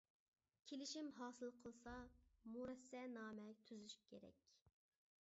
كېلىشىم ھاسىل قىلسا، مۇرەسسەنامە تۈزۈش كېرەك.